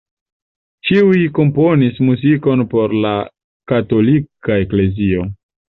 Ĉiuj komponis muzikon por la katolika eklezio.